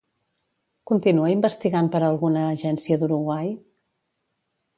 Continua investigant per alguna agència d'Uruguai?